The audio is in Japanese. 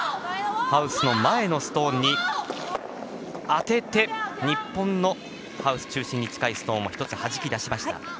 ハウスの前のストーンに当てて日本のハウス中心に近いストーン１つ、はじき出しました。